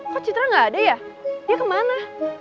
kok citra gak ada ya dia kemana